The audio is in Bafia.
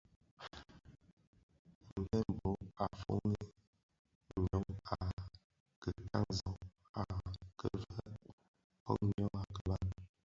A mbembo a foňi ňyon a kikanzog a kè vëg koň ňyô a kiban.